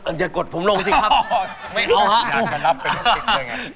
อยากจะรับเป็นลูกศิษย์เลยไง